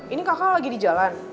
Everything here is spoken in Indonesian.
ini kakak lagi di jalan